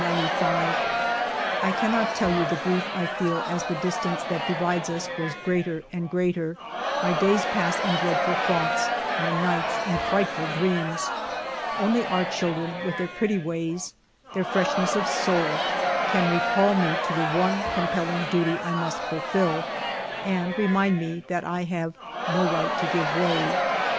" I cannot tell you the grief I feel as the distance that divides us grows greater and greater. My days pass in dreadful thoughts, my nights in frightful dreams. Only our children, with their pretty ways, their freshness of soul, can recall me to the one compelling duty I must fulfil, and re mind me that I have no right to give way.